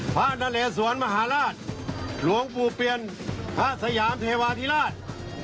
นเลสวนมหาราชหลวงปู่เปลี่ยนพระสยามเทวาธิราช